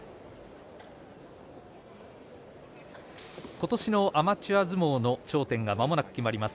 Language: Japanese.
今年のアマチュア相撲の頂点がまもなく決まります。